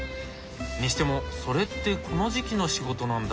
にしてもそれってこの時期の仕事なんだ。